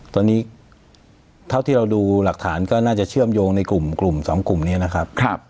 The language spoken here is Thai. ตอนนี้เท่าที่เราดูหลักฐานก็น่าจะเชื่อมโยงในกลุ่ม๒กลุ่มนี้นะครับ